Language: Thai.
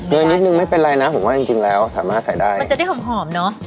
นิดนึงไม่เป็นไรนะผมว่าจริงจริงแล้วสามารถใส่ได้มันจะได้หอมหอมเนอะ